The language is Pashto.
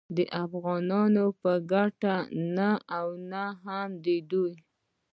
د افغانانو په ګټه نه و او نه دی